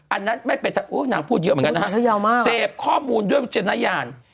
อันนั้นไม่เป็นนางพูดเยอะเหมือนกันนะฮะเสพข้อมูลด้วยวิจารณญาณ